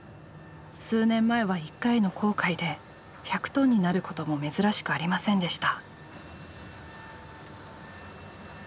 数年前は１回の航海で１００トンになることも珍しくありませんでした。